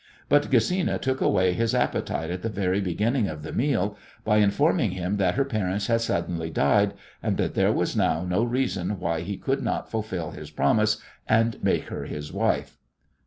But Gesina took away his appetite at the very beginning of the meal by informing him that her parents had suddenly died, and that there was now no reason why he should not fulfil his promise and make her his wife.